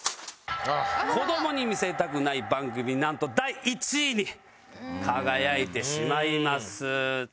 子どもに見せたくない番組なんと第１位に輝いてしまいます。